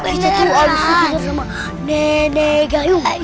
kita tuh habis dikejar sama nenek gayung